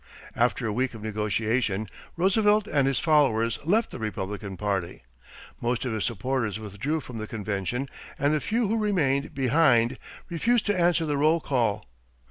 After a week of negotiation, Roosevelt and his followers left the Republican party. Most of his supporters withdrew from the convention and the few who remained behind refused to answer the roll call.